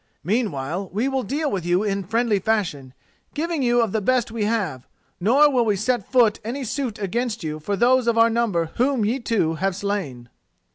Meanwhile, we will deal with you in friendly fashion, giving you of the best we have; nor will we set foot any suit against you for those of our number whom ye two have slain."